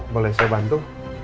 boleh saya bantu